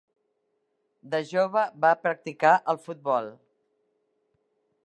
De jove va practicar el futbol.